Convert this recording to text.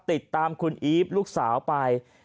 ติดตามคุณอีฟลูกสาวไป